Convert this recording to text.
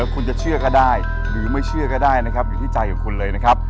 คุณจะเชื่อก็ได้หรือไม่เชื่อก็ได้นะครับอยู่ที่ใจของคุณเลยนะครับ